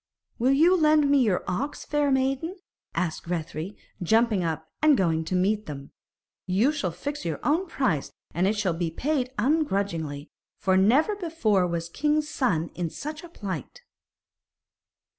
'Will you lend me your ox, fair maiden?' asked Grethari, jumping up and going to meet them. 'You shall fix your own price, and it shall be paid ungrudgingly, for never before was king's son in such a plight.'